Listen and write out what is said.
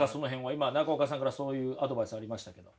今中岡さんからそういうアドバイスありましたけど。